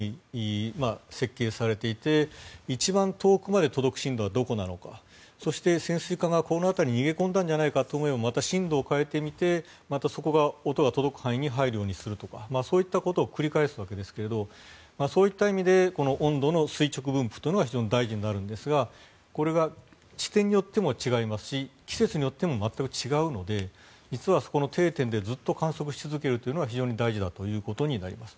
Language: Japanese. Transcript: ここに潜水艦が逃げ込むと探知できないわけですけれどですからソーナーも深度を変えるように設計されていて一番遠くまで届く深度はどこなのかそして、潜水艦がこの辺りに逃げ込んだんじゃないかと思えばまた深度を変えてみてまたそこが音が届く範囲に入るようにするとかそういったことを繰り返すわけですがそういった意味で温度の垂直分布というのが非常に大事になるんですがこれが地点によっても違いますし季節によっても全く違うので実はそこの定点でずっと観測し続けるというのが非常に大事だということになります。